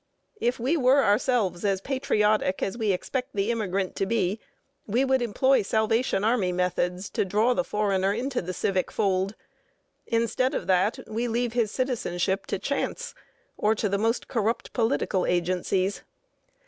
If we were ourselves as patriotic as we expect the immigrant to be, we would employ Salvation Army methods to draw the foreigner into the civic fold. Instead of that, we leave his citizenship to chance or to the most corrupt political agencies.